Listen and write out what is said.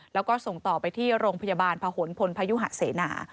แล้วก็ส่งต่อไปที่โรงพยาบาลพหนพลพยุหะเสนา